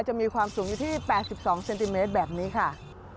จะมีความสูงอยู่ที่๘๒เซนติเมตรแบบนี้ค่ะ